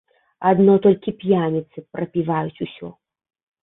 Адно толькі п'яніцы прапіваюць усё.